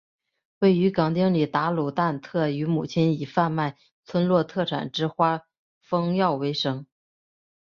位于港町里达鲁旦特与母亲以贩卖村落特产之花封药为生。